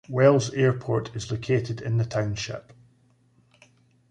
Wells Airport is located in the township.